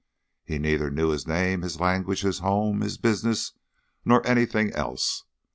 He neither knew his name, his language, his home, his business, nor anything else.